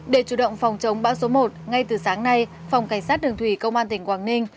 để chủ động phòng chống bão số một ngay từ sáng nay phòng cảnh sát đường thủy công an tỉnh quảng ninh